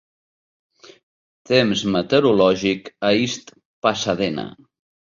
Temps meteorològic a East Pasadena